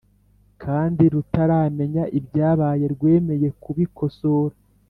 Kandi rutaramenye ibyabaye rwemeye kubikosora